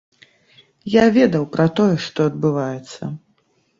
Я ведаў пра тое, што адбываецца.